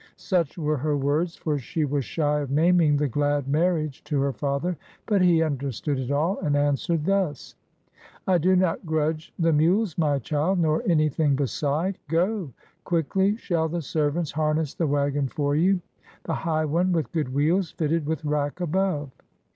Such were her words, for she was shy of naming the glad marriage to her father; but he understood it all, and answered thus :— "I do not grudge the mules, my child, nor anything beside. Go! Quickly shall the servants harness the wagon for you, the high one, with good wheels, fitted with rack above."